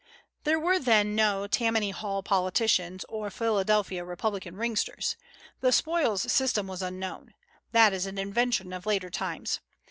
There were then no Tammany Hall politicians or Philadelphia Republican ringsters. The spoils system was unknown. That is an invention of later times.